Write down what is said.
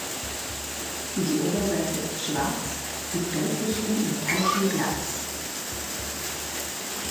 Die Oberseite ist schwarz mit deutlichem metallischem Glanz.